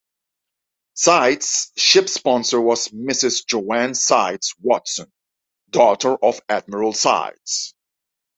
"Sides" ship sponsor was Mrs. Joanne Sides Watson, daughter of Admiral Sides.